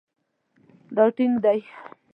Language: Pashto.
دا ټینګ دی